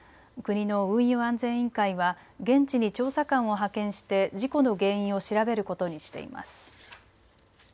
国の運輸安全委員会は現地に調査官を派遣して事故の原因を調べることにしています。